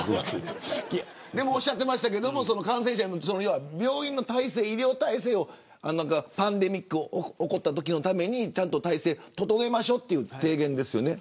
でも、おっしゃっていましたけど病院の医療体制をパンデミックが起こったときのためにちゃんと体制を整えましょうという提言ですよね。